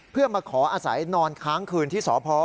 เพื่อมาขออาศัยนอนค้างคืนที่สพ